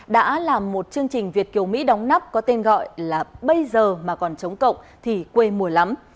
đã làm một chương trình việt kiều mỹ đóng nắp có tên gọi là bây giờ mà còn chống cộng thì quê mùa lắm